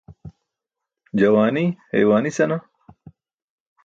Juwaani haywaani senaa.